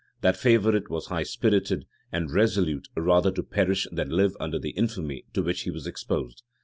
That favorite was high spirited, and resolute rather to perish than live under the infamy to which he was exposed.